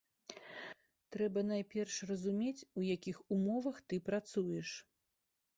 Трэба найперш разумець, у якіх умовах ты працуеш.